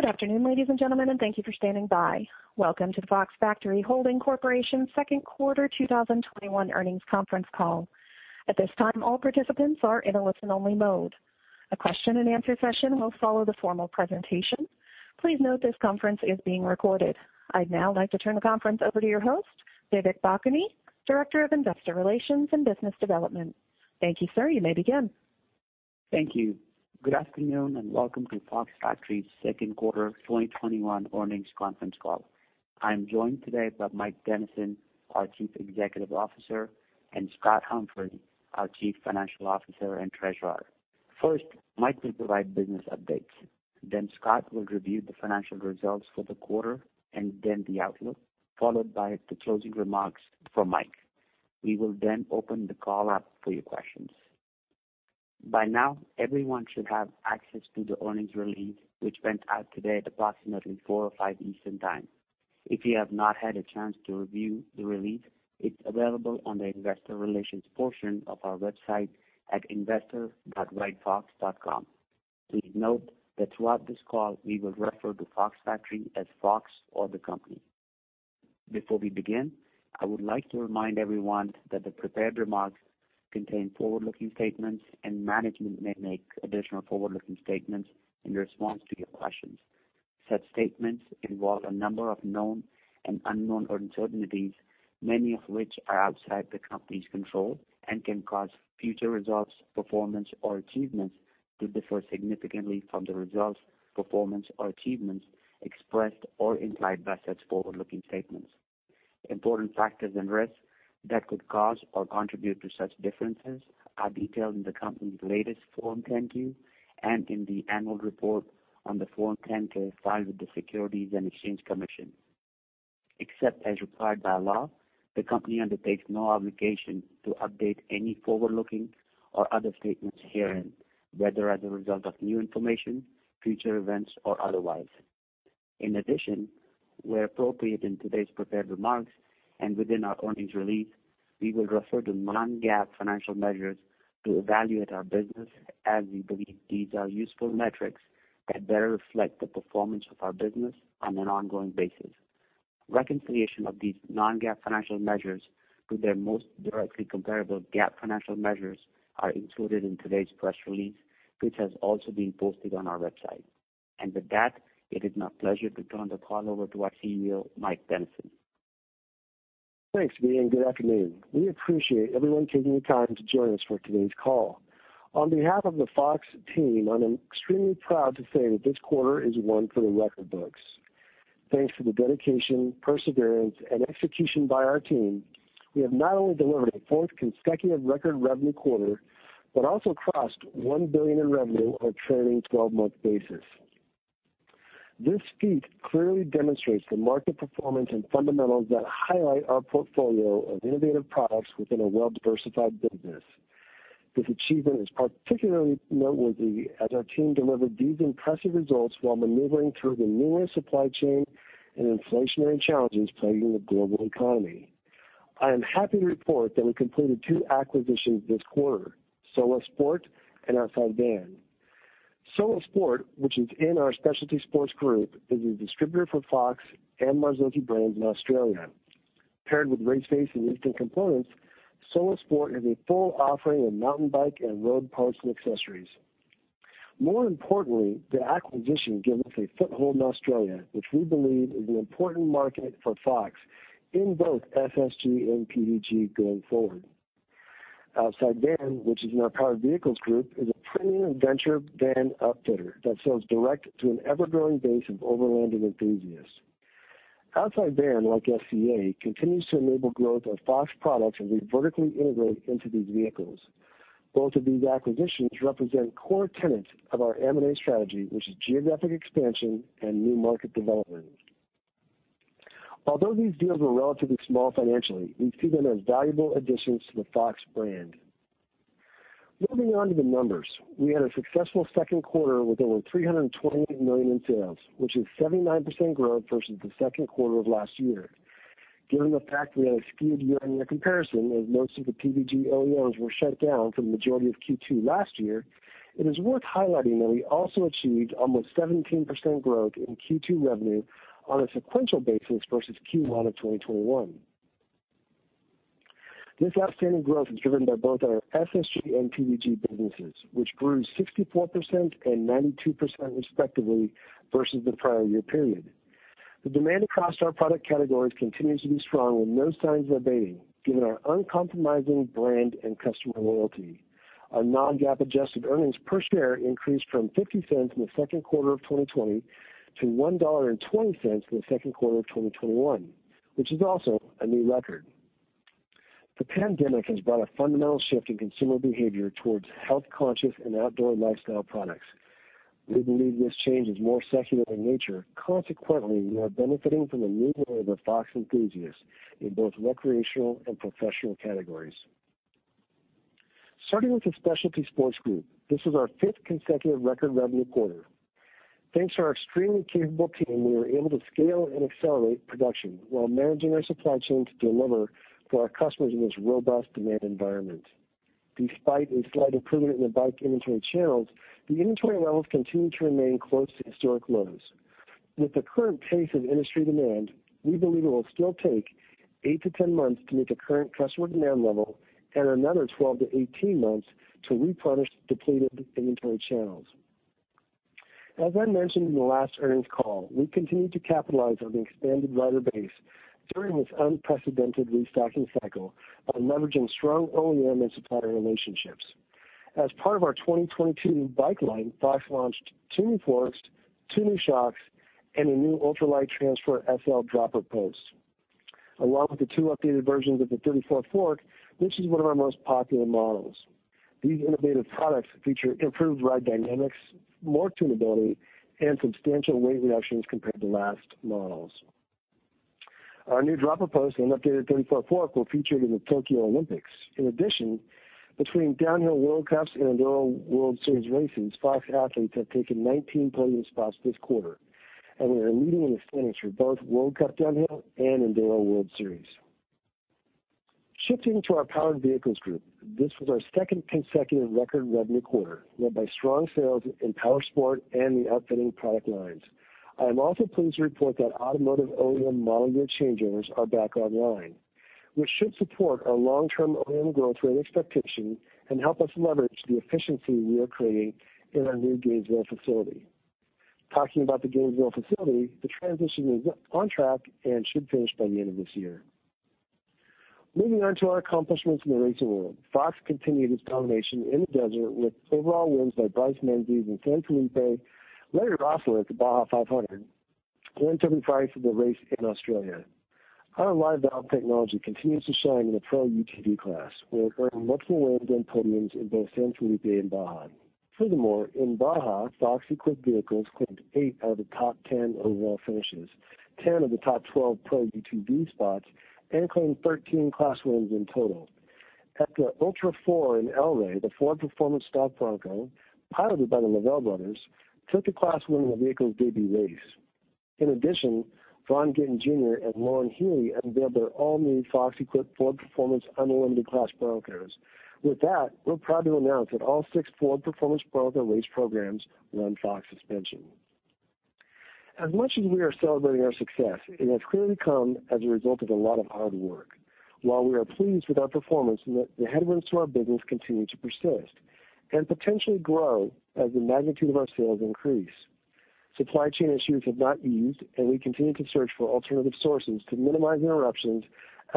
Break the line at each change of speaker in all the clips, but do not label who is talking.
Good afternoon, ladies and gentlemen, and thank you for standing by. Welcome to the Fox Factory Holding Corp. second quarter 2021 earnings conference call. At this time, all participants are in a listen-only mode. A question-and-answer session will follow the formal presentation. Please note this conference is being recorded. I'd now like to turn the conference over to your host, Vivek Bhakuni, Director of Investor Relations and Business Development. Thank you, sir. You may begin.
Thank you. Good afternoon, welcome to Fox Factory's second quarter 2021 earnings conference call. I'm joined today by Mike Dennison, our Chief Executive Officer, and Scott Humphrey, our Chief Financial Officer and Treasurer. First, Mike will provide business updates. Scott will review the financial results for the quarter and then the outlook, followed by the closing remarks from Mike. We will then open the call up for your questions. By now, everyone should have access to the earnings release, which went out today at approximately 4:05 P.M. Eastern Time. If you have not had a chance to review the release, it's available on the investor relations portion of our website at investor.ridefox.com. Please note that throughout this call, we will refer to Fox Factory as Fox or the company. Before we begin, I would like to remind everyone that the prepared remarks contain forward-looking statements, and management may make additional forward-looking statements in response to your questions. Such statements involve a number of known and unknown uncertainties, many of which are outside the company's control and can cause future results, performance or achievements to differ significantly from the results, performance or achievements expressed or implied by such forward-looking statements. Important factors and risks that could cause or contribute to such differences are detailed in the company's latest Form 10-Q and in the annual report on the Form 10-K filed with the Securities and Exchange Commission. Except as required by law, the company undertakes no obligation to update any forward-looking or other statements herein, whether as a result of new information, future events, or otherwise. In addition, where appropriate in today's prepared remarks and within our earnings release, we will refer to non-GAAP financial measures to evaluate our business as we believe these are useful metrics that better reflect the performance of our business on an ongoing basis. Reconciliation of these non-GAAP financial measures to their most directly comparable GAAP financial measures are included in today's press release, which has also been posted on our website. With that, it is my pleasure to turn the call over to our CEO, Mike Dennison.
Thanks, Vivek, and good afternoon. We appreciate everyone taking the time to join us for today's call. On behalf of the Fox team, I'm extremely proud to say that this quarter is one for the record books. Thanks to the dedication, perseverance, and execution by our team, we have not only delivered a forth consecutive record revenue quarter, but also crossed $1 billion in revenue on a trailing 12-month basis. This feat clearly demonstrates the market performance and fundamentals that highlight our portfolio of innovative products within a well-diversified business. This achievement is particularly noteworthy as our team delivered these impressive results while maneuvering through the numerous supply chain and inflationary challenges plaguing the global economy. I am happy to report that we completed two acquisitions this quarter, SOLA Sport and Outside Van. SOLA Sport, which is in our Specialty Sports Group, is a distributor for Fox and Marzocchi brands in Australia. Paired with Race Face and Easton components, SOLA Sport is a full offering of mountain bike and road parts and accessories. More importantly, the acquisition gives us a foothold in Australia, which we believe is an important market for Fox in both SSG and PVG going forward. Outside Van, which is in our Powered Vehicles Group, is a premium venture van upfitter that sells direct to an ever-growing base of overlanding enthusiasts. Outside Van, like FCA, continues to enable growth of Fox products as we vertically integrate into these vehicles. Both of these acquisitions represent core tenets of our M&A strategy, which is geographic expansion and new market development. Although these deals were relatively small financially, we see them as valuable additions to the Fox brand. Moving on to the numbers, we had a successful second quarter with over $328 million in sales, which is 79% growth versus the second quarter of last year. Given the fact we had a skewed year-over-year comparison, as most of the PVG OEMs were shut down for the majority of Q2 last year, it is worth highlighting that we also achieved almost 17% growth in Q2 revenue on a sequential basis versus Q1 of 2021. This outstanding growth is driven by both our SSG and PVG businesses, which grew 64% and 92% respectively versus the prior year period. The demand across our product categories continues to be strong with no signs of abating, given our uncompromising brand and customer loyalty. Our non-GAAP adjusted earnings per share increased from $0.50 in the second quarter of 2020 to $1.20 in the second quarter of 2021, which is also a new record. The pandemic has brought a fundamental shift in consumer behavior towards health-conscious and outdoor lifestyle products. We believe this change is more secular in nature. Consequently, we are benefiting from a new wave of Fox enthusiasts in both recreational and professional categories. Starting with the Specialty Sports Group, this was our fifth consecutive record revenue quarter. Thanks to our extremely capable team, we were able to scale and accelerate production while managing our supply chain to deliver for our customers in this robust demand environment. Despite a slight improvement in the bike inventory channels, the inventory levels continue to remain close to historic lows. With the current pace of industry demand, we believe it will still take eight months to 10 months to meet the current customer demand level and another 12 months-18 months to replenish depleted inventory channels. As I mentioned in the last earnings call, we continue to capitalize on the expanded rider base during this unprecedented restocking cycle by leveraging strong OEM and supplier relationships. As part of our 2022 bike line, Fox launched two new forks, two new shocks, and a new ultralight Transfer SL dropper post. Along with the two updated versions of the 34 fork, this is one of our most popular models. These innovative products feature improved ride dynamics, more tunability, and substantial weight reductions compared to last models. Our new dropper post and updated 34 fork were featured in the Tokyo Olympics. In addition, between Downhill World Cups and Enduro World Series races, Fox athletes have taken 19 podium spots this quarter, and we are leading in the standings for both World Cup Downhill and Enduro World Series. Shifting to our Powered Vehicles Group, this was our second consecutive record revenue quarter, led by strong sales in powersport and the upfitting product lines. I am also pleased to report that automotive OEM model year changeovers are back online, which should support our long-term OEM growth rate expectation and help us leverage the efficiency we are creating in our new Gainesville facility. Talking about the Gainesville facility, the transition is on track and should finish by the end of this year. Moving on to our accomplishments in the racing world. Fox continued its domination in the desert with overall wins by Bryce Menzies in San Felipe, Larry Roeseler at the Baja 500, and Toby Price at the race in Australia. Our Live Valve technology continues to shine in the Pro UTV class. We're earning multiple wins and podiums in both San Felipe and Baja. Furthermore, in Baja, Fox-equipped vehicles claimed eight out of the top 10 overall finishes, 10 of the top 12 Pro UTV spots, and claimed 13 class wins in total. At the Ultra4 in El Rey, the Ford Performance Stock Bronco, piloted by the Lovell brothers, took a class win in the vehicle's debut race. In addition, Vaughn Gittin Jr. and Loren Healy unveiled their all-new Fox-equipped Ford Performance Unlimited class Broncos. With that, we're proud to announce that all six Ford Performance Bronco race programs run Fox suspension. As much as we are celebrating our success, it has clearly come as a result of a lot of hard work. While we are pleased with our performance, the headwinds to our business continue to persist and potentially grow as the magnitude of our sales increase. Supply chain issues have not eased. We continue to search for alternative sources to minimize interruptions,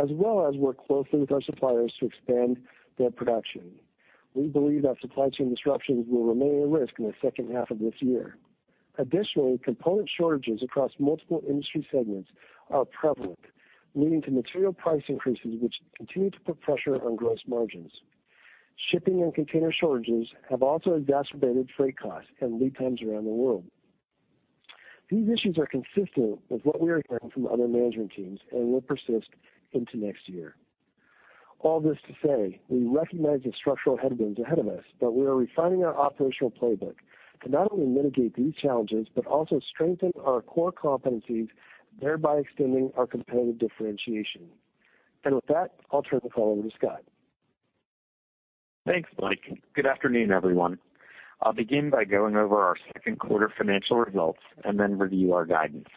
as well as work closely with our suppliers to expand their production. We believe that supply chain disruptions will remain a risk in the second half of this year. Additionally, component shortages across multiple industry segments are prevalent, leading to material price increases, which continue to put pressure on gross margins. Shipping and container shortages have also exacerbated freight costs and lead times around the world. These issues are consistent with what we are hearing from other management teams and will persist into next year. All this to say, we recognize the structural headwinds ahead of us. We are refining our operational playbook to not only mitigate these challenges but also strengthen our core competencies, thereby extending our competitive differentiation. With that, I'll turn the call over to Scott.
Thanks, Mike. Good afternoon, everyone. I'll begin by going over our second quarter financial results and then review our guidance.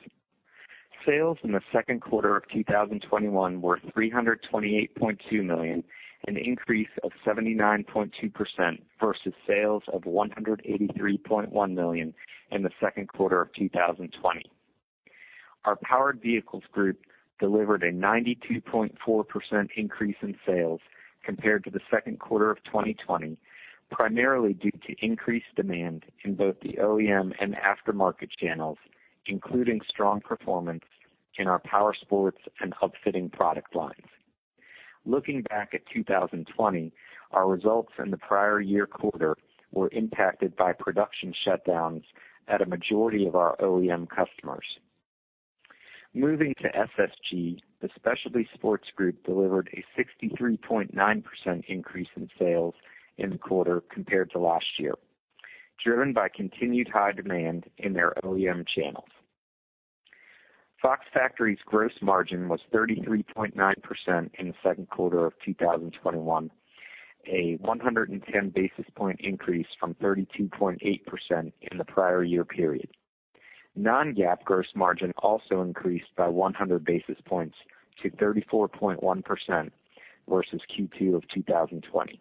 Sales in the second quarter of 2021 were $328.2 million, an increase of 79.2% versus sales of $183.1 million in the second quarter of 2020. Our Powered Vehicles Group delivered a 92.4% increase in sales compared to the second quarter of 2020, primarily due to increased demand in both the OEM and aftermarket channels, including strong performance in our powersports and upfitting product lines. Looking back at 2020, our results in the prior year quarter were impacted by production shutdowns at a majority of our OEM customers. Moving to SSG, the Specialty Sports Group delivered a 63.9% increase in sales in the quarter compared to last year, driven by continued high demand in their OEM channels. Fox Factory's gross margin was 33.9% in the second quarter of 2021, a 110 basis point increase from 32.8% in the prior year period. Non-GAAP gross margin also increased by 100 basis points to 34.1% versus Q2 of 2020.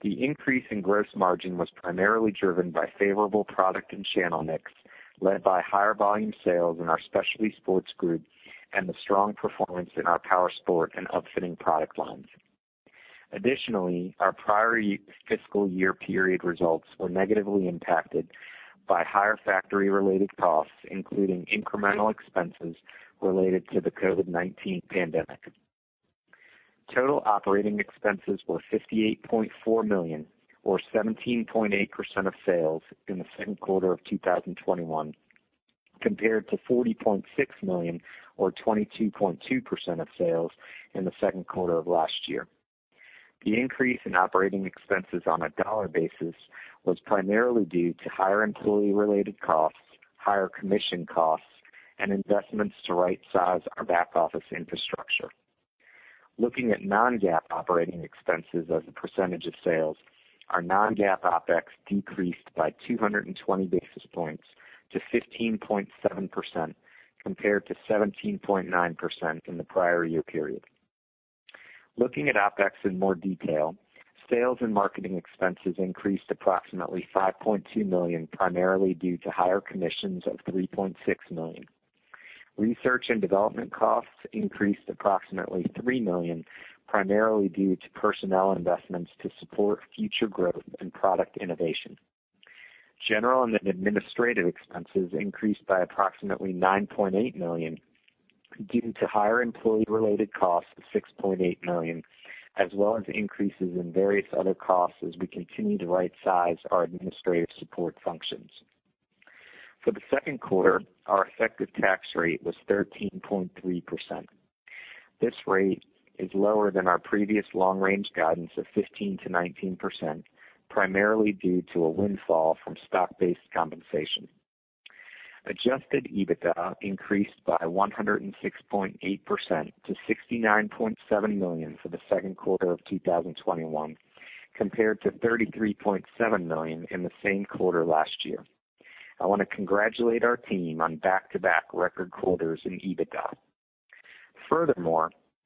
The increase in gross margin was primarily driven by favorable product and channel mix, led by higher volume sales in our Specialty Sports Group and the strong performance in our powersport and upfitting product lines. Additionally, our prior fiscal year period results were negatively impacted by higher factory-related costs, including incremental expenses related to the COVID-19 pandemic. Total operating expenses were $58.4 million or 17.8% of sales in the second quarter of 2021, compared to $40.6 million or 22.2% of sales in the second quarter of last year. The increase in operating expenses on a dollar basis was primarily due to higher employee-related costs, higher commission costs, and investments to right-size our back-office infrastructure. Looking at non-GAAP operating expenses as a percentage of sales, our non-GAAP OpEx decreased by 220 basis points to 15.7%, compared to 17.9% in the prior year period. Looking at OpEx in more detail, sales and marketing expenses increased approximately $5.2 million, primarily due to higher commissions of $3.6 million. Research and development costs increased approximately $3 million, primarily due to personnel investments to support future growth and product innovation. General and administrative expenses increased by approximately $9.8 million due to higher employee-related costs of $6.8 million, as well as increases in various other costs as we continue to right-size our administrative support functions. For the second quarter, our effective tax rate was 13.3%. This rate is lower than our previous long-range guidance of 15%-19%, primarily due to a windfall from stock-based compensation. Adjusted EBITDA increased by 106.8% to $69.7 million for the second quarter of 2021, compared to $33.7 million in the same quarter last year. I want to congratulate our team on back-to-back record quarters in EBITDA.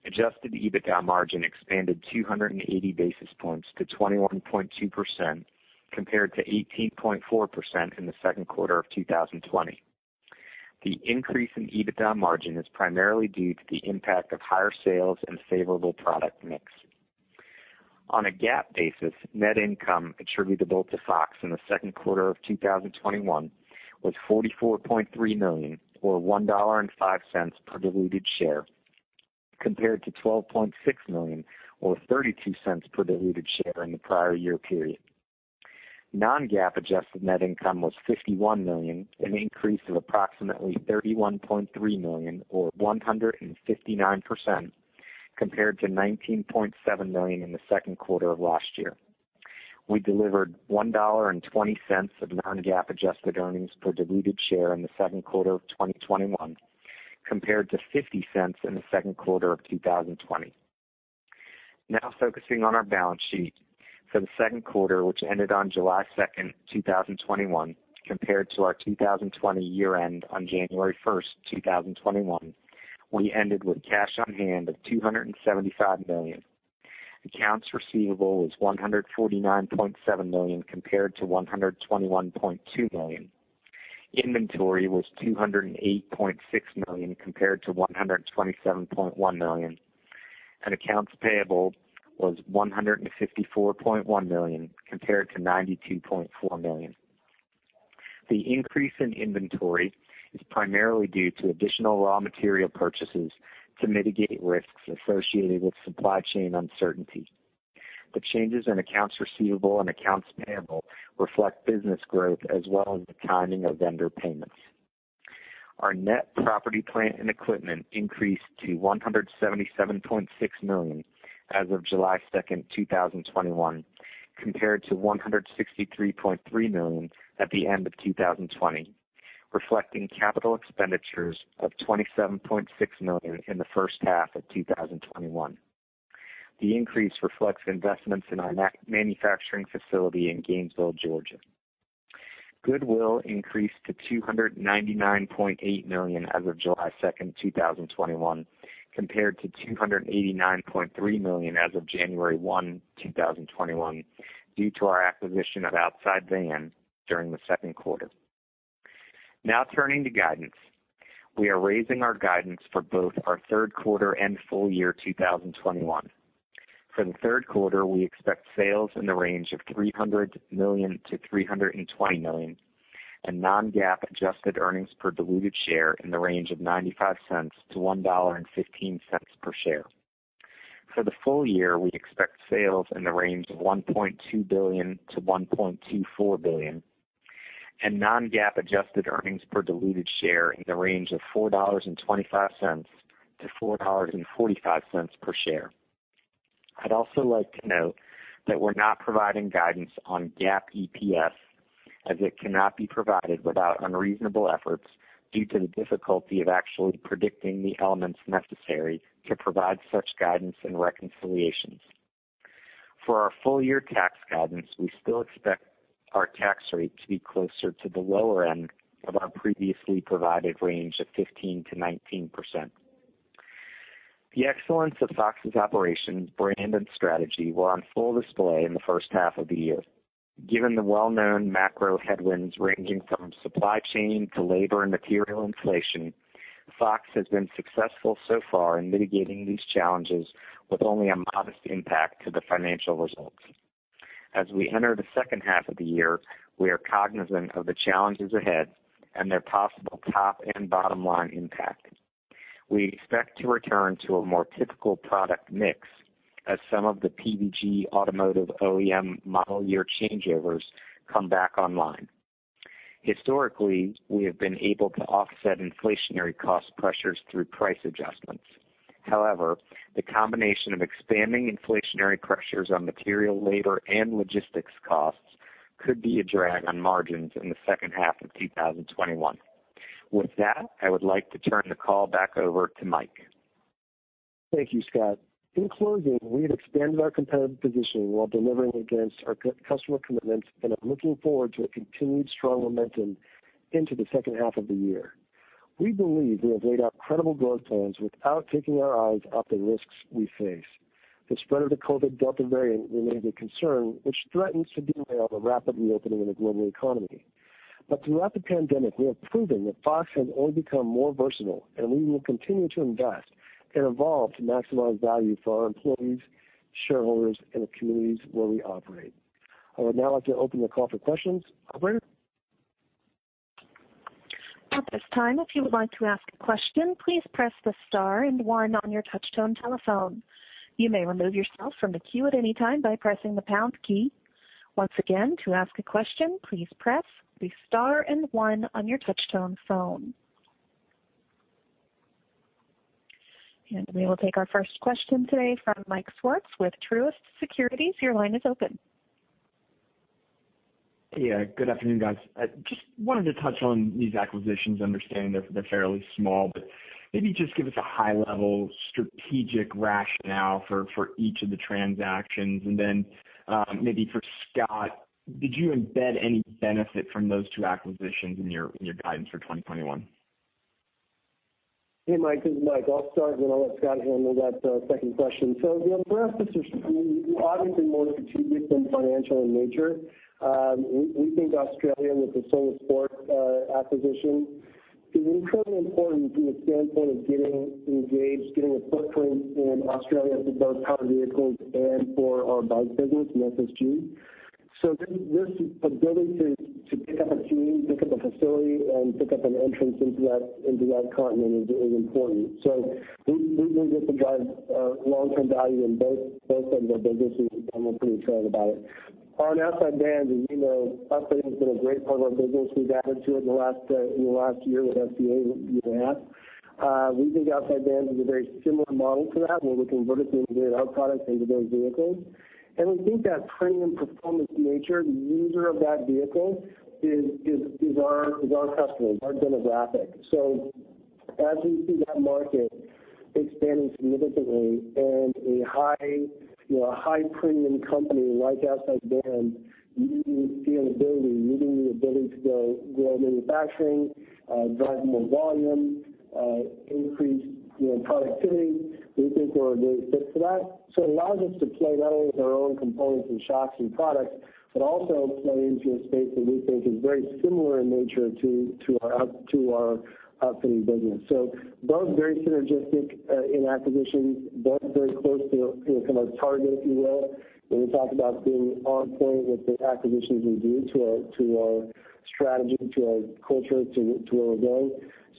Adjusted EBITDA margin expanded 280 basis points to 21.2%, compared to 18.4% in the second quarter of 2020. The increase in EBITDA margin is primarily due to the impact of higher sales and favorable product mix. On a GAAP basis, net income attributable to FOX in the second quarter of 2021 was $44.3 million, or $1.05 per diluted share, compared to $12.6 million or $0.32 per diluted share in the prior year period. Non-GAAP adjusted net income was $51 million, an increase of approximately $31.3 million or 159%, compared to $19.7 million in the second quarter of last year. We delivered $1.20 of non-GAAP adjusted earnings per diluted share in the second quarter of 2021, compared to $0.50 in the second quarter of 2020. Now focusing on our balance sheet. For the second quarter, which ended on July 2nd, 2021, compared to our 2020 year-end on January 1st, 2021, we ended with cash on hand of $275 million. Accounts receivable was $149.7 million compared to $121.2 million. Inventory was $208.6 million compared to $127.1 million, and accounts payable was $154.1 million compared to $92.4 million. The increase in inventory is primarily due to additional raw material purchases to mitigate risks associated with supply chain uncertainty. The changes in accounts receivable and accounts payable reflect business growth as well as the timing of vendor payments. Our net property plant and equipment increased to $177.6 million as of July 2nd, 2021, compared to $163.3 million at the end of 2020, reflecting capital expenditures of $27.6 million in the first half of 2021. The increase reflects investments in our net manufacturing facility in Gainesville, Georgia. Goodwill increased to $299.8 million as of July 2nd, 2021, compared to $289.3 million as of January 1, 2021, due to our acquisition of Outside Van during the second quarter. Turning to guidance. We are raising our guidance for both our third quarter and full year 2021. For the third quarter, we expect sales in the range of $300 million-$320 million, and non-GAAP adjusted earnings per diluted share in the range of $0.95-$1.15 per share. For the full year, we expect sales in the range of $1.2 billion-$1.24 billion, and non-GAAP adjusted earnings per diluted share in the range of $4.25-$4.45 per share. I'd also like to note that we're not providing guidance on GAAP EPS, as it cannot be provided without unreasonable efforts due to the difficulty of actually predicting the elements necessary to provide such guidance and reconciliations. For our full-year tax guidance, we still expect our tax rate to be closer to the lower end of our previously provided range of 15%-19%. The excellence of FOX's operations, brand, and strategy were on full display in the first half of the year. Given the well-known macro headwinds ranging from supply chain to labor and material inflation, FOX has been successful so far in mitigating these challenges with only a modest impact to the financial results. As we enter the second half of the year, we are cognizant of the challenges ahead and their possible top and bottom line impact. We expect to return to a more typical product mix as some of the PVG automotive OEM model year changeovers come back online. Historically, we have been able to offset inflationary cost pressures through price adjustments. However, the combination of expanding inflationary pressures on material, labor, and logistics costs could be a drag on margins in the second half of 2021. With that, I would like to turn the call back over to Mike.
Thank you, Scott. In closing, we have expanded our competitive positioning while delivering against our customer commitments. I'm looking forward to a continued strong momentum into the second half of the year. We believe we have laid out credible growth plans without taking our eyes off the risks we face. The spread of the COVID Delta variant remains a concern, which threatens to derail the rapid reopening of the global economy. Throughout the pandemic, we have proven that Fox has only become more versatile. We will continue to invest and evolve to maximize value for our employees, shareholders, and the communities where we operate. I would now like to open the call for questions. Operator?
At this time if you would like to ask a question please press the star and one on your touch-tone telephone. You may remove yourself from the queue at anytime by pressing the pound key. Once again to ask a question please press the star and one on your touch-tone telephone. We will take our first question today from Mike Swartz with Truist Securities. Your line is open.
Yeah, good afternoon, guys. Just wanted to touch on these acquisitions. I understand they're fairly small, but maybe just give us a high-level strategic rationale for each of the transactions. Then maybe for Scott, did you embed any benefit from those two acquisitions in your guidance for 2021?
Hey, Mike. This is Mike. I'll start, I'll let Scott handle that second question. Yeah, for us, this was obviously more strategic than financial in nature. We think Australia, with the SOLA Sport acquisition, is incredibly important from the standpoint of getting engaged, getting a footprint in Australia for both powered vehicles and for our bikes business in SSG. This ability to pick up a team, pick up a facility, and pick up an entrance into that continent is important. We believe this will drive long-term value in both of their businesses, and we're pretty excited about it. On Outside Van, as you know, upfitting has been a great part of our business. We've added two in the last year with FCA in that. We think Outside Van is a very similar model to that, where we can vertically integrate our products into those vehicles. We think that premium performance nature, the user of that vehicle is our customers, our demographic. As we see that market expanding significantly and a high premium company like Outside Van, we see an ability to grow manufacturing, drive more volume, increase productivity. We think we're a good fit for that. It allows us to play not only with our own components and shocks and products, but also play into a space that we think is very similar in nature to our upfitting business. Both very synergistic in acquisitions, both very close to kind of target, if you will, when we talk about being on point with the acquisitions we do to our strategy, to our culture, to where we're going.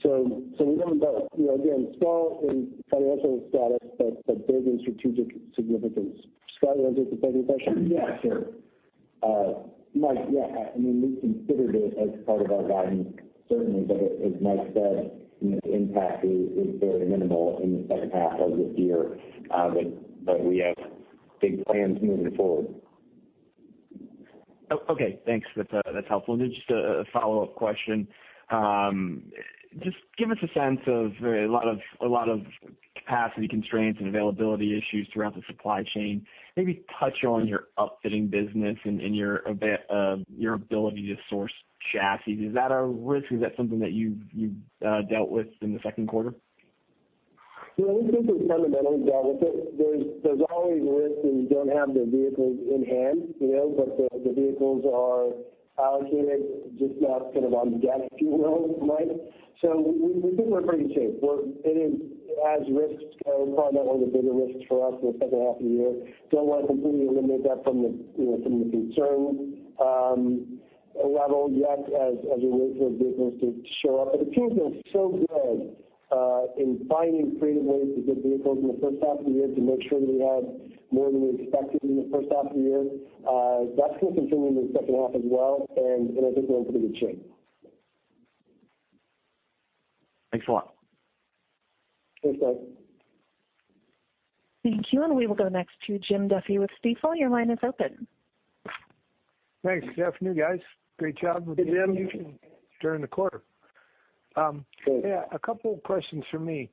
We love them both. Again, small in financial status, but big in strategic significance. Scott, you want to take the second question?
Yeah, sure. Mike, yeah, we considered it as part of our guidance, certainly. As Mike said, the impact is very minimal in the second half of this year. We have big plans moving forward.
Okay, thanks. That's helpful. Just a follow-up question. Just give us a sense of a lot of capacity constraints and availability issues throughout the supply chain. Maybe touch on your upfitting business and your ability to source chassis. Is that a risk? Is that something that you've dealt with in the second quarter?
Yeah, we think we've fundamentally dealt with it. There's always risk when you don't have the vehicles in hand. The vehicles are allocated, just not kind of on deck, if you will, Mike. We think we're pretty safe. As risks go, it's probably not one of the bigger risks for us in the second half of the year. Don't want to completely eliminate that from the concern level yet as a risk for the business to show up. The team's been so good in finding creative ways to get vehicles in the first half of the year to make sure we have more than we expected in the first half of the year. That's going to continue in the second half as well, and I think we're in pretty good shape.
Thanks a lot.
Thanks, Mike.
Thank you. We will go next to Jim Duffy with Stifel. Your line is open.
Thanks. Good afternoon, guys. Great job with the execution.
Hey, Jim.
during the quarter.
Sure.
Yeah, a couple of questions from me.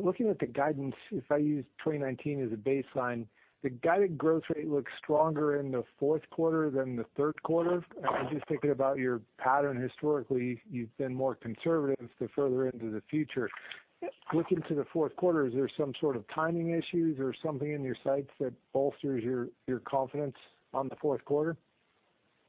Looking at the guidance, if I use 2019 as a baseline, the guided growth rate looks stronger in the fourth quarter than the third quarter. I am just thinking about your pattern historically. You have been more conservative the further into the future. Looking to the fourth quarter, is there some sort of timing issues or something in your sights that bolsters your confidence on the fourth quarter?
Yeah,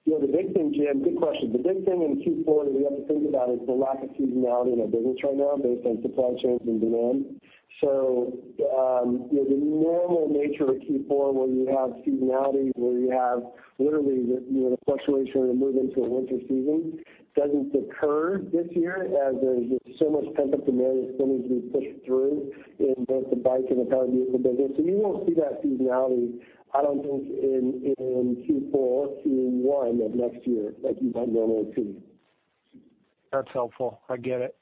the big thing, Jim, good question. The big thing in Q4 that we have to think about is the lack of seasonality in our business right now based on supply chains and demand The normal nature of Q4, where you have seasonality, where you have literally the fluctuation of the move into a winter season doesn't occur this year as there's just so much pent-up demand of [spinach] being pushed through in both the bike and the power vehicle business. You won't see that seasonality, I don't think, in Q4, Q1 of next year like you've done normally see.
That's helpful. I get it.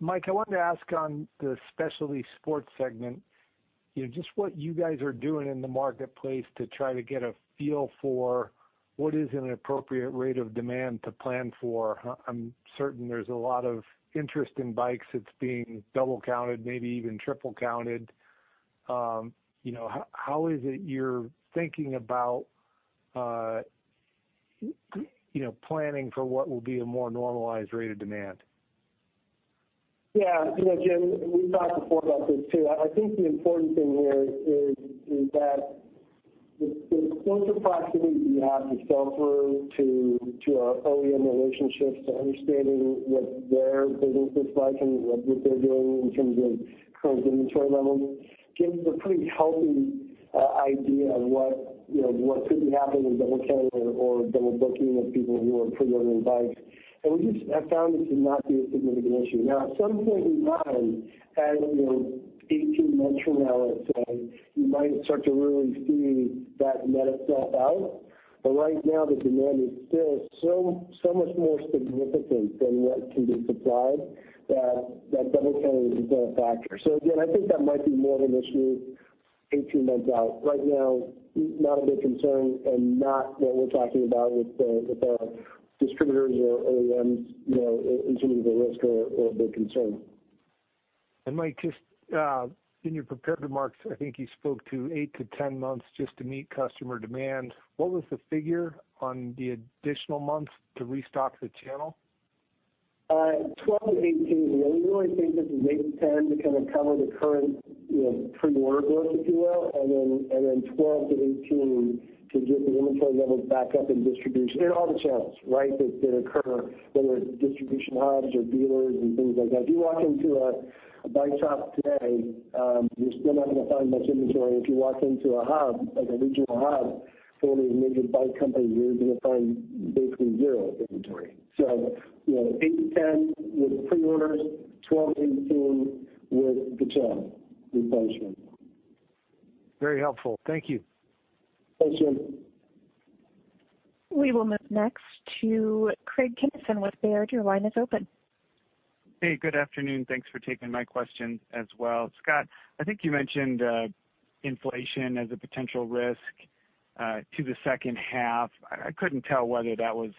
Mike, I wanted to ask on the Specialty Sports Group segment, just what you guys are doing in the marketplace to try to get a feel for what is an appropriate rate of demand to plan for? I'm certain there's a lot of interest in bikes that's being double counted, maybe even triple counted. How is it you're thinking about planning for what will be a more normalized rate of demand?
Yeah. Jim, we've talked before about this too. I think the important thing here is that the closer proximity we have with software to our OEM relationships, to understanding what their business is like and what they're doing in terms of current inventory levels, gives a pretty healthy idea of what could be happening with double counting or double booking of people who are pre-ordering bikes. We just have found this to not be a significant issue. Now, at some point in time, as 18 months from now, let's say, you might start to really see that net itself out. Right now the demand is still so much more significant than what can be supplied that double counting isn't a factor. Again, I think that might be more of an issue 18 months out. Right now, not a big concern and not what we're talking about with the distributors or OEMs in terms of a risk or a big concern.
Mike, just in your prepared remarks, I think you spoke to eight months to 10 months just to meet customer demand. What was the figure on the additional months to restock the channel?
12-18. We really think that the eight months to 10 months to kind of cover the current pre-order book, if you will, and then 12 months-18 months to get the inventory levels back up in distribution in all the channels, right? That occur, whether it's distribution hubs or dealers and things like that. If you walk into a bike shop today, you're still not going to find much inventory. If you walk into a hub, like a regional hub for one of the major bike companies, you're going to find basically zero inventory. Eight months to 10 months with pre-orders, 12 months-18 months with the channel replenishment.
Very helpful. Thank you.
Thanks, Jim.
We will move next to Craig Kennison with Baird. Your line is open.
Hey, good afternoon. Thanks for taking my question as well. Scott, I think you mentioned inflation as a potential risk to the second half. I couldn't tell whether that was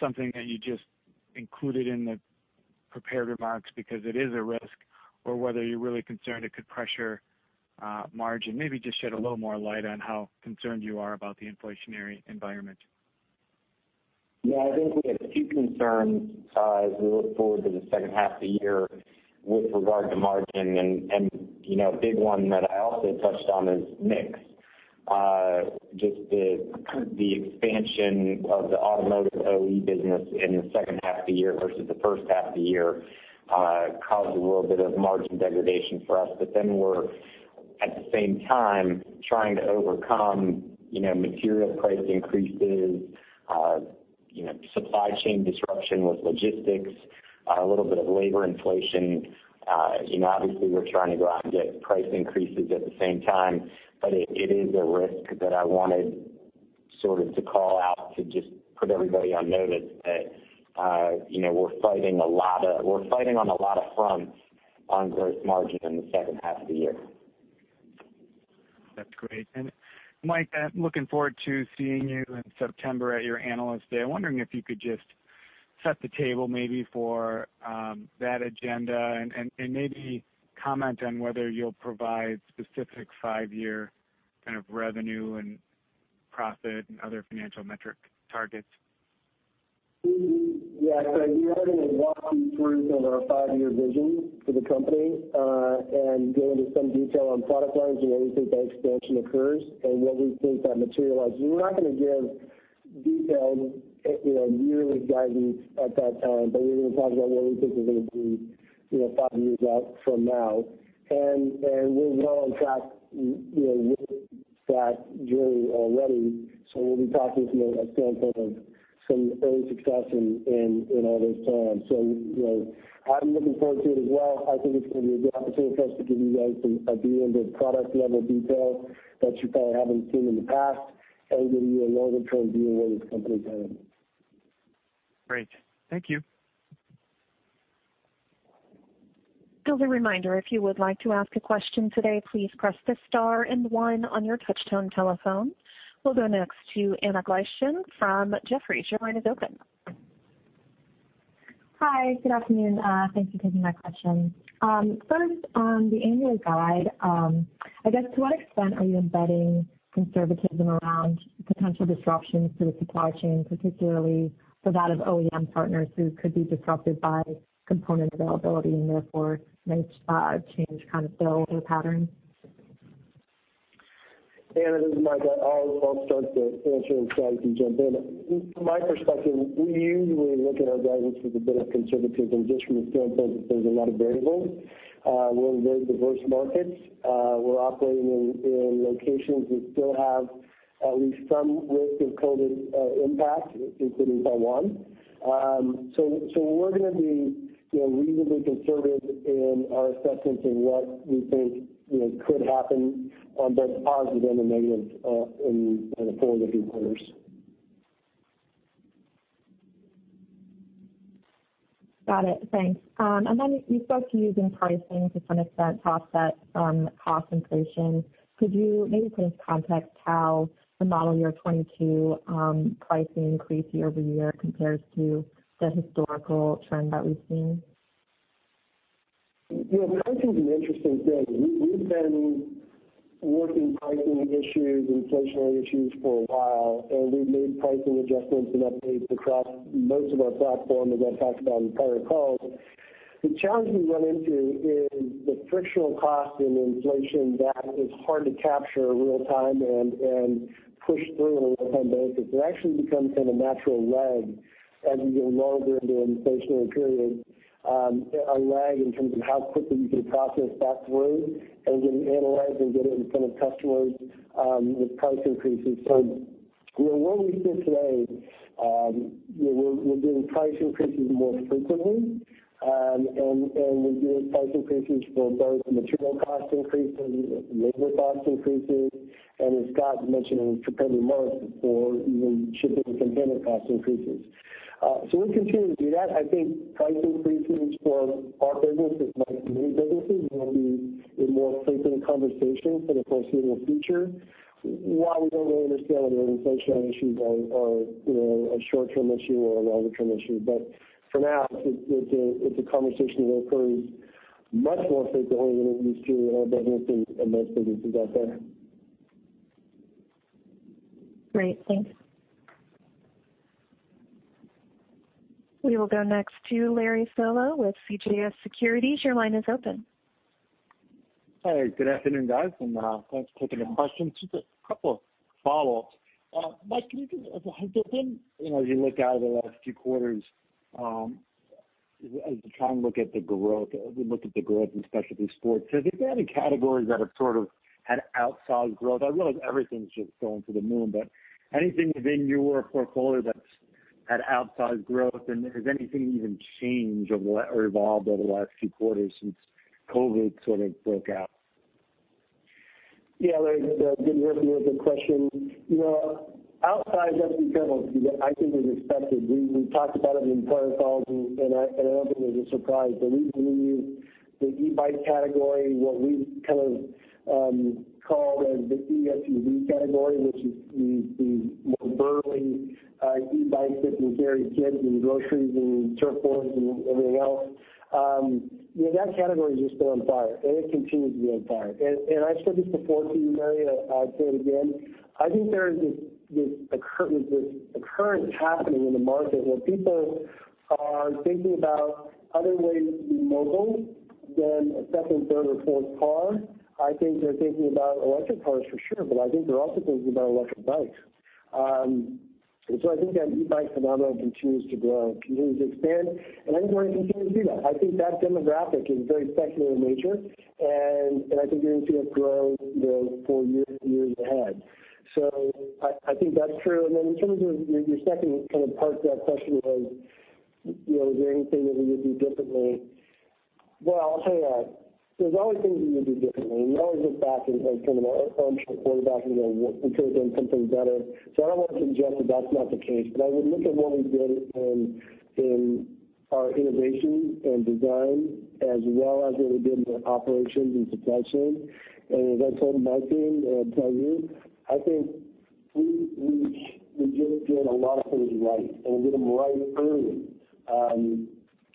something that you just included in the prepared remarks because it is a risk or whether you're really concerned it could pressure margin. Maybe just shed a little more light on how concerned you are about the inflationary environment?
Yeah, I think we have two concerns as we look forward to the second half of the year with regard to margin and a big one that I also touched on is mix. The expansion of the automotive OEM business in the second half of the year versus the first half of the year caused a little bit of margin degradation for us. We're at the same time trying to overcome material price increases, supply chain disruption with logistics, a little bit of labor inflation. Obviously, we're trying to go out and get price increases at the same time, but it is a risk that I wanted sort of to call out to just put everybody on notice that we're fighting on a lot of fronts on gross margin in the second half of the year.
That's great. Mike, I'm looking forward to seeing you in September at your Analyst Day. I'm wondering if you could just set the table maybe for that agenda and maybe comment on whether you'll provide specific five-year kind of revenue and profit and other financial metric targets.
Yeah. We are going to walk you through some of our five-year vision for the company and go into some detail on product lines and where we think that expansion occurs and where we think that materializes. We're not going to give detailed yearly guidance at that time, but we're going to talk about where we think we're going to be five years out from now. We're well on track with that journey already, so we'll be talking from a standpoint of some early success in all those plans. I'm looking forward to it as well. I think it's going to be a good opportunity for us to give you guys a view into product level detail that you probably haven't seen in the past and give you a longer-term view of where this company's headed.
Great. Thank you.
Just a reminder, if you would like to ask a question today, please press the star and one on your touch-tone telephone. We'll go next to Anna Glaessgen from Jefferies. Your line is open.
Hi, good afternoon. Thank you for taking my question. First on the annual guide, I guess to what extent are you embedding conservatism around potential disruptions to the supply chain, particularly for that of OEM partners who could be disrupted by component availability and therefore might change kind of build or pattern?
Anna, this is Mike. I'll start the answer, and Scott Humphrey can jump in. From my perspective, we usually look at our guidance as a bit of conservative than just from the standpoint that there's a lot of variables. We're in very diverse markets. We're operating in locations that still have at least some risk of COVID-19 impact, including Taiwan. We're going to be reasonably conservative in our assessments in what we think could happen on both positive and the negative in the form of retailers.
Got it. Thanks. Then you spoke to using pricing to kind of offset cost inflation. Could you maybe put into context how the model year 2022 pricing increase year-over-year compares to the historical trend that we've seen?
Yeah. Pricing's an interesting thing. We've been working pricing issues, inflationary issues for a while. We've made pricing adjustments and updates across most of our platform, as I've talked about on prior calls. The challenge we run into is the frictional cost and inflation that is hard to capture real time and push through on a real-time basis. There actually becomes kind of natural lag as you get longer into an inflationary period, a lag in terms of how quickly we can process that through and then analyze and get it in front of customers with price increases. Where we sit today, we're doing price increases more frequently. We're doing price increases for both material cost increases, labor cost increases, and as Scott mentioned in February, March, for even shipping container cost increases. We continue to do that. I think price increases for our business is like many businesses, will be a more frequent conversation for the foreseeable future while we don't really understand whether inflationary issues are a short-term issue or a longer-term issue. For now, it's a conversation that occurs much more frequently in this period in our business and most businesses out there.
Great. Thanks.
We will go next to Larry Solow with CJS Securities. Your line is open.
Hi. Good afternoon, guys. Thanks for taking the questions. Just a couple of follow-ups. Mike, as you look out over the last few quarters, as you try and look at the growth in specialty sports, have you found any categories that have sort of had outsized growth? I realize everything's just going to the moon, anything within your portfolio that's had outsized growth, and has anything even changed or evolved over the last few quarters since COVID sort of broke out?
Yeah, Larry, good to hear from you. A good question. Outside of e-bikes, I think is expected. We talked about it in prior calls, and I don't think there's a surprise. We believe the e-bike category, what we kind of call the eSUV category, which is the more burly e-bikes that can carry kids and groceries and surfboards and everything else. That category's just been on fire, and it continues to be on fire. I've said this before to you, Larry, I'll say it again, I think there is this current happening in the market where people are thinking about other ways to be mobile than a second, third, or fourth car. I think they're thinking about electric cars for sure, but I think they're also thinking about electric bikes. I think that e-bike phenomenon continues to grow, continues to expand, and I think we're going to continue to do that. I think that demographic is very secular in nature, and I think you're going to see it grow for years and years ahead. I think that's true. In terms of your second kind of part to that question was, is there anything that we would do differently? Well, I'll tell you what, there's always things we would do differently, and we always look back in kind of our own sort of quarterback and go, "We could have done something better." I don't want to suggest that that's not the case. I would look at what we did in our innovation and design as well as what we did in the operations and supply chain. As I told Mike and I'll tell you, I think we did get a lot of things right and did them right early.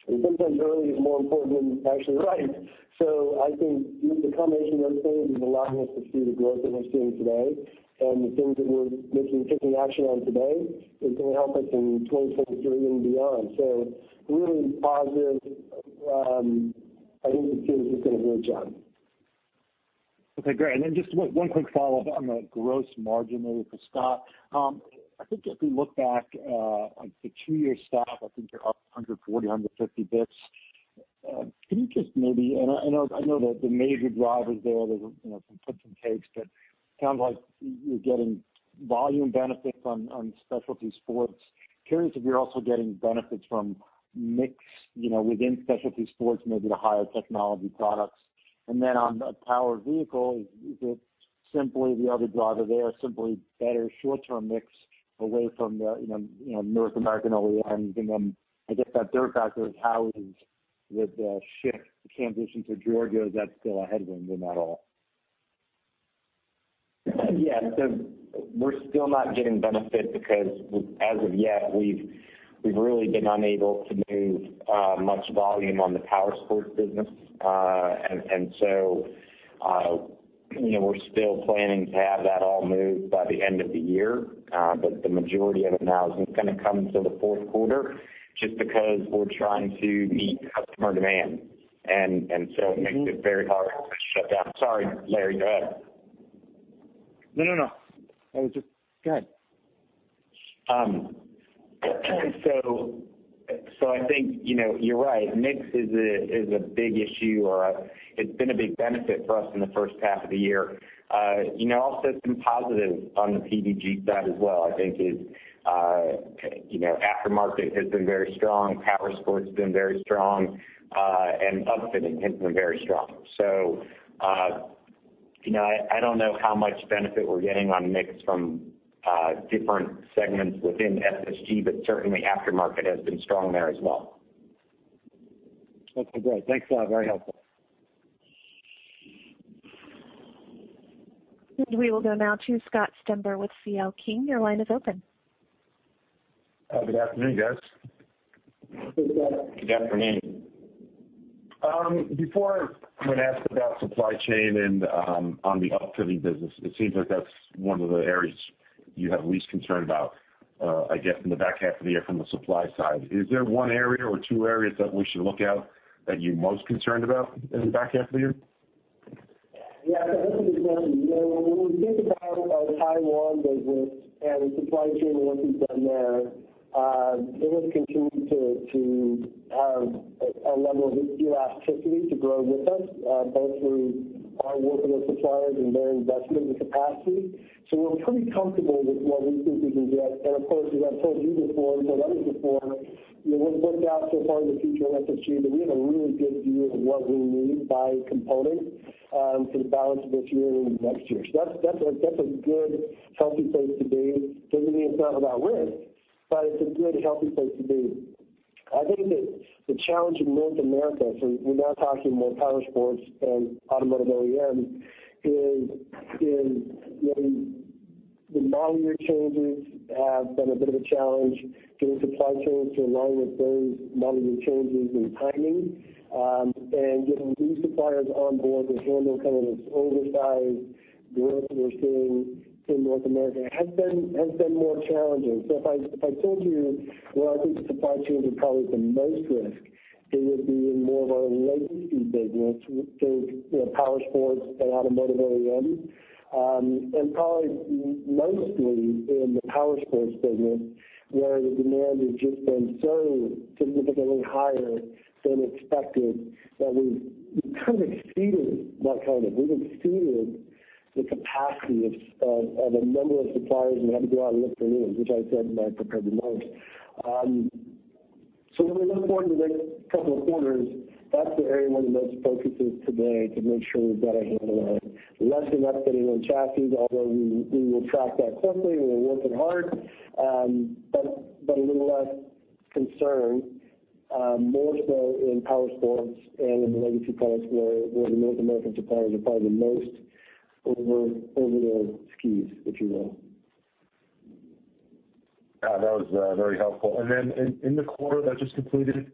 Sometimes early is more important than actually right. I think the combination of those things is allowing us to see the growth that we're seeing today. The things that we're taking action on today is going to help us in 2023 and beyond. Really positive. I think we are just doing a great job..
Okay, great. Just one quick follow-up on the gross margin there with Scott. If we look back on the two-year stack, I think you're up 140 basis points, 150 basis points. I know that the major drivers there's some puts and takes, but sounds like you're getting volume benefits on Specialty Sports Group. Curious if you're also getting benefits from mix within Specialty Sports Group, maybe the higher technology products. On the Powered Vehicles Group, is it simply the other driver there, simply better short-term mix away from the North American OEMs? I guess that third factor is [challenge] with the shift transition to Georgia. Is that still a headwind or not all?
Yeah. We're still not getting benefit because as of yet, we've really been unable to move much volume on the power sports business. We're still planning to have that all moved by the end of the year. The majority of it now isn't going to come until the fourth quarter just because we're trying to meet customer demand. It makes it very hard to shut down. Sorry, Larry, go ahead.
No, I was just Go ahead.
I think you're right. Mix is a big issue or it's been a big benefit for us in the first half of the year. Also some positives on the PVG side as well, I think is aftermarket has been very strong, powersports been very strong, and upfitting has been very strong. I don't know how much benefit we're getting on mix from different segments within SSG, but certainly aftermarket has been strong there as well.
Okay, great. Thanks a lot. Very helpful.
We will go now to Scott Stember with C.L. King. Your line is open.
Good afternoon, guys.
Good afternoon.
Good afternoon. Before I'm going to ask about supply chain and on the upfitting business, it seems like that's one of the areas you have least concern about, I guess in the back half of the year from the supply side. Is there one area or two areas that we should look out that you're most concerned about in the back half of the year?
Listen, Scott, when we think about our Taiwan business and the supply chain and the work we've done there, it has continued to have a level of elasticity to grow with us both through our work with our suppliers and their investment in capacity. We're pretty comfortable with what we think we can get. Of course, as I've told you before, and told others before, we've worked out so far in the future at SSG that we have a really good view of what we need by component for the balance of this year and into next year. That's a good, healthy place to be. Doesn't mean it's not without risk, but it's a good, healthy place to be. I think that the challenge in North America, so we're now talking more powersports than automotive OEM, is in getting the model year changes have been a bit of a challenge, getting supply chains to align with those model year changes and timing, and getting new suppliers on board to handle this oversized growth we're seeing in North America has been more challenging. If I told you where I think supply chains are probably the most risk, it would be in more of our legacy business. Think powersports and automotive OEM, and probably mostly in the powersports segment, where the demand has just been so significantly higher than expected that we've kind of exceeded the capacity of a number of suppliers and had to go out and look for new ones, which I said in my prepared remarks. When we look forward to the next couple of quarters, that's the area where the most focus is today to make sure we've got a handle on it. Less in upfitting and chassis, although we will track that closely, we're working hard. A little less concern, more so in powersports and in the legacy products where the North American suppliers are probably the most over their skis, if you will.
That was very helpful. In the quarter that just completed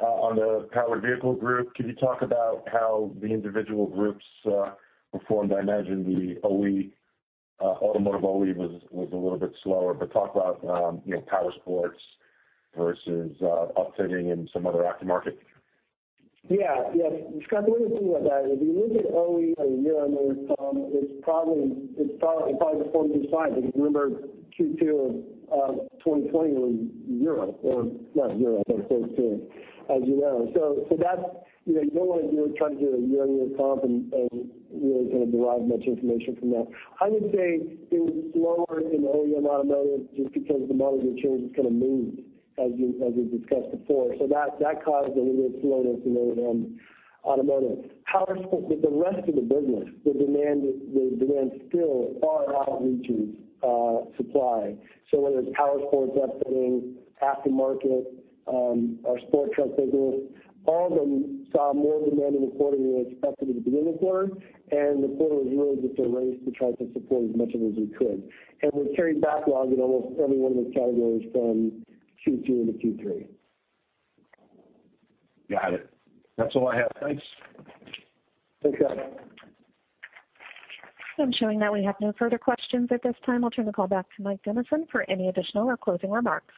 on the Powered Vehicles Group, could you talk about how the individual groups performed? I imagine the automotive OE was a little bit slower, but talk about powersports versus upfitting and some other aftermarket.
Scott, let me tell you about it. If you look at OEM on a year-over-year comp, it's probably the 45. If you remember Q2 2020 was zero, or not zero, but close to it as you know. You don't want to try to do a year-over-year comp and really derive much information from that. I would say it was slower in OEM automotive just because the model year changes kind of moved as we discussed before. That caused a little bit of slowness in OEM automotive. Powersports with the rest of the business, the demand still far outreaches supply. Whether it's powersports, upfitting, aftermarket, our sport truck business, all of them saw more demand in the quarter than we expected at the beginning of the quarter, and the quarter was really just a race to try to support as much of it as we could. We carried backlog in almost every one of those categories from Q2 into Q3.
Got it. That's all I have. Thanks.
Thanks, Scott.
I'm showing that we have no further questions at this time. I'll turn the call back to Mike Dennison for any additional or closing remarks.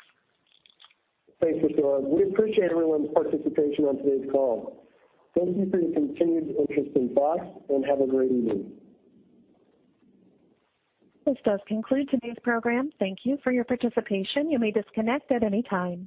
Thanks, Victoria. We appreciate everyone's participation on today's call. Thank you for your continued interest in Fox, and have a great evening.
This does conclude today's program. Thank you for your participation. You may disconnect at any time.